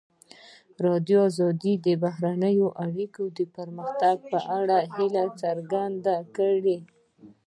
ازادي راډیو د بهرنۍ اړیکې د پرمختګ په اړه هیله څرګنده کړې.